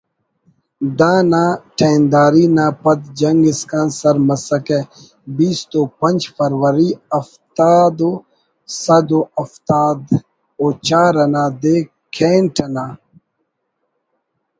دا نا ٹہنداری نا پد جنگ اسکان سر مسکہ بیست و پنچ فروری ہفتدہ سد و ہفتاد و چار نا دے کینٹ انا